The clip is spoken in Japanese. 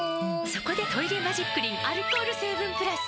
そこで「トイレマジックリン」アルコール成分プラス！